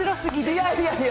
いやいやいや。